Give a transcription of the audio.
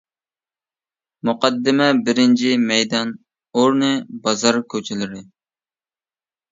مۇقەددىمە بىرىنچى مەيدان ئورنى: بازار كوچىلىرى.